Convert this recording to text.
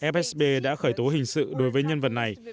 fsb đã khởi tố hình sự đối với nhân vật này